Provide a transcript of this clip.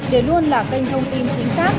để luôn là kênh thông tin chính xác